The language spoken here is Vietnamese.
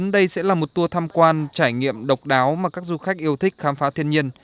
đây sẽ là một tour tham quan trải nghiệm độc đáo mà các du khách yêu thích khám phá thiên nhiên